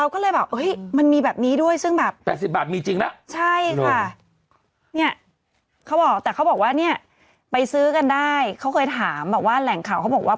ก็ได้เขาเคยถามแบบว่าแหล่งข่าวเขาบอกว่า